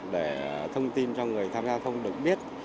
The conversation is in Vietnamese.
để thông tin cho người tham gia thông được biết